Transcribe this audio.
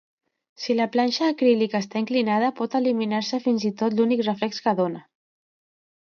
Si la planxa acrílica està inclinada, pot eliminar-se fins i tot l'únic reflex que dóna.